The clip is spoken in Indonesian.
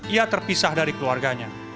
ia terpisah dari keluarganya